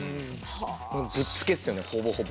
ぶっつけですよねほぼほぼは。